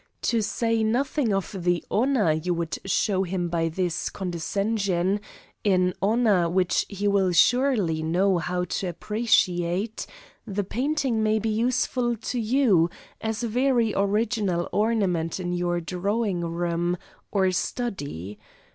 To say nothing of the honour you would show him by this condescension an honour which he will surely know how to appreciate the painting may be useful to you as a very original ornament in your drawing room or study.